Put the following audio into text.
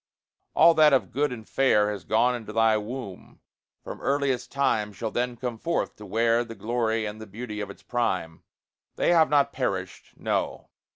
All that of good and fair Has gone into thy womb from earliest time Shall then come forth, to wear The glory and the beauty of its prime. They have not perished no!